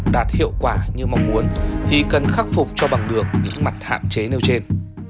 đạt hiệu quả như mong muốn thì cần khắc phục cho bằng được những mặt hạn chế nêu trên